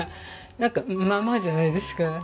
なんかまあまあじゃないですか？